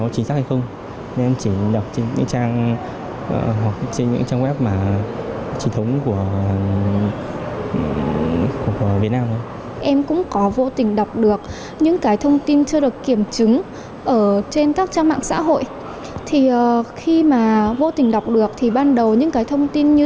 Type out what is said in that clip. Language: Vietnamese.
chỉ em không đọc những trang mà trên facebook chia sẻ như thế